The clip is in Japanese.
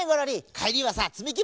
かえりはさつみき